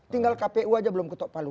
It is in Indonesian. tinggal kpu aja belum ketok palu